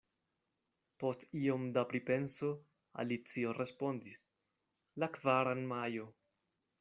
Post iom da pripenso Alicio respondis: la kvaran Majo.